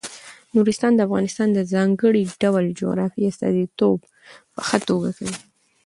نورستان د افغانستان د ځانګړي ډول جغرافیې استازیتوب په ښه توګه کوي.